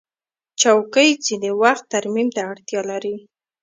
چوکۍ ځینې وخت ترمیم ته اړتیا لري.